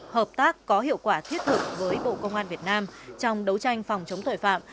hợp tác có hiệu quả thiết thực với bộ công an việt nam trong đấu tranh phòng chống tội phạm